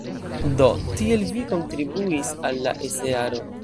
Do, tiel vi kontribuis al la esearo!